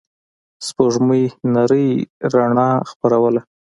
سپوږمۍ نرۍ رڼا خپروله.